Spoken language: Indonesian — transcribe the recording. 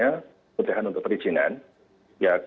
ya kalau misalnya diperlukan untuk perlindungan ya itu sudah diperlukan